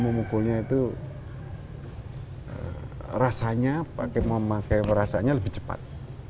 memukulnya itu rasanya memakai rasanya lebih cepat